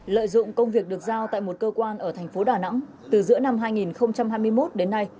lợi dụng công việc được giao tại một cơ quan ở thành phố đà nẵng từ giữa năm hai nghìn hai mươi một đến nay